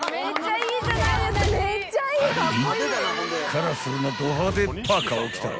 ［カラフルなド派手パーカーを着た］